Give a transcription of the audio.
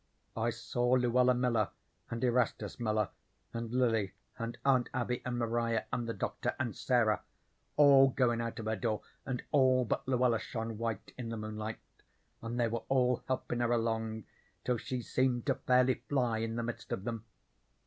I saw Luella Miller and Erastus Miller, and Lily, and Aunt Abby, and Maria, and the Doctor, and Sarah, all goin' out of her door, and all but Luella shone white in the moonlight, and they were all helpin' her along till she seemed to fairly fly in the midst of them.